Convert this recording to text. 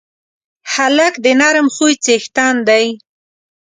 هلک د نرم خوی څښتن دی.